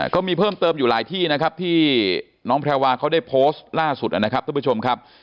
ก็มีเพิ่มเติมอยู่หลายที่นะครับที่น้องแพรวาเขาได้โพสต์ล่าสุดนะครับท่านผู้ชมครับ